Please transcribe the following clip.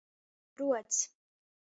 Ruods.